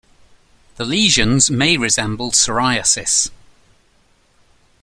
The lesions may resemble psoriasis.